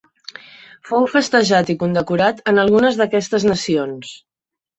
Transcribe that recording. Fou festejat i condecorat en algunes d'aquestes nacions.